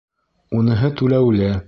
Уныһы түләүле.